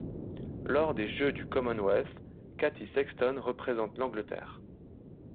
Lors des Jeux du Commonwealth, Katy Sexton représente l'Angleterre.